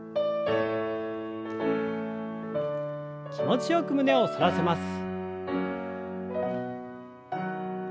気持ちよく胸を反らせます。